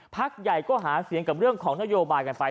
พักใหญ่ก็หาเสียงกับเรื่องของนโยบายกันไป